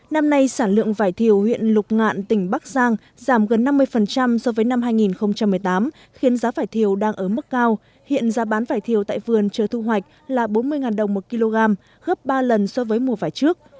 năm nay sản lượng vải thiều huyện lục ngạn tỉnh bắc giang giảm gần năm mươi so với năm hai nghìn một mươi tám khiến giá vải thiều đang ở mức cao hiện giá bán vải thiều tại vườn chưa thu hoạch là bốn mươi đồng một kg gấp ba lần so với mùa vải trước